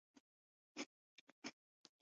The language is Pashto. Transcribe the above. ګاونډی په ګاونډي حق لري.